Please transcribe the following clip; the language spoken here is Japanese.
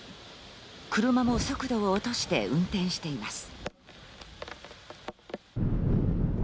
車も速度を落として運転しています。